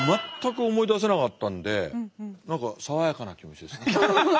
全く思い出せなかったんで何か爽やかな気持ちです。